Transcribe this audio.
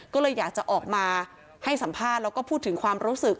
ก็เลยอยากจะออกมาให้สัมภาษณ์แล้วก็พูดถึงความรู้สึก